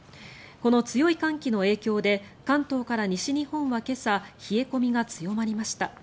この強い寒気の影響で関東から西日本は今朝冷え込みが強まりました。